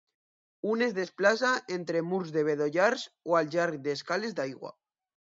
Un es desplaça entre murs de bedollars o al llarg d'escales d'aigua.